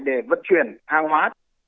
để vận chuyển hàng hóa